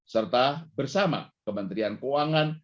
serta bersama kementerian keuangan